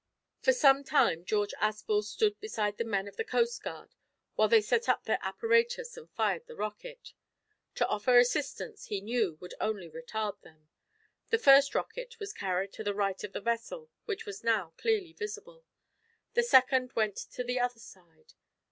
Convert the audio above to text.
For some time George Aspel stood beside the men of the coastguard while they set up their apparatus and fired the rocket. To offer assistance, he knew, would only retard them. The first rocket was carried to the right of the vessel, which was now clearly visible. The second went to the other side.